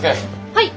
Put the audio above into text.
はい！